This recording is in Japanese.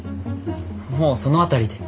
もうその辺りで。